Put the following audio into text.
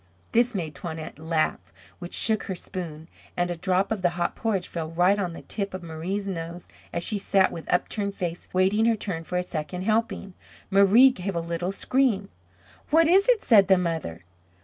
This made Toinette laugh, which shook her spoon, and a drop of the hot mixture fell right on the tip of Marie's nose as she sat with upturned face waiting her turn for a second helping. Marie gave a little scream. "What is it?" said the mother.